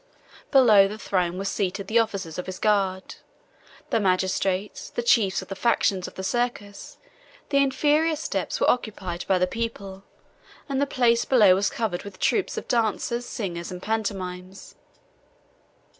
Below the throne were seated the officers of his guards, the magistrates, the chiefs of the factions of the circus; the inferior steps were occupied by the people, and the place below was covered with troops of dancers, singers, and pantomimes.